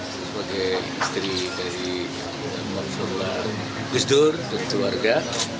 sebagai istri dari keluarga besar dan keluarga